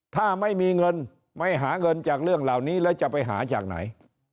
ถ้าไม่มีเงินไม่หาเงินจากเรื่องเหล่านี้แล้วจะไปหาจากไหน